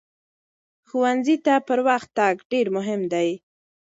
ښوونځي ته پر وخت تګ ډېر مهم دی.